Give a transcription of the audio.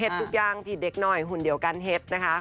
ทุกอย่างที่เด็กหน่อยหุ่นเดียวกันเห็ดนะคะ